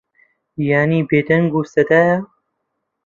یانی بێدەنگ و سەدایە